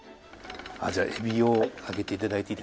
あっじゃあエビを揚げて頂いていいですか？